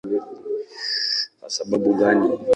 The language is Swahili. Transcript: Kwa sababu gani?